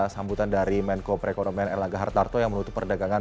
sambutan dari menko perekonomian erlangga hartarto yang menutup perdagangan